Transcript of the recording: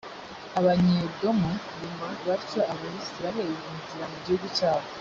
abanyedomu bima batyo abayisraheli inzira mu gihugu cyabo.